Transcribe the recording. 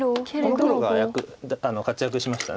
この黒が活躍しました。